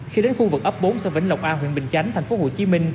khi đến khu vực ấp bốn xã vĩnh lộc a huyện bình chánh tp hcm